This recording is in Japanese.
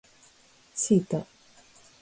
シータ